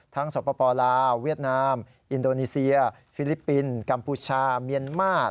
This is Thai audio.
สปลาวเวียดนามอินโดนีเซียฟิลิปปินส์กัมพูชาเมียนมาร์